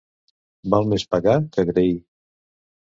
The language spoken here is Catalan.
Val més pagar que agrair.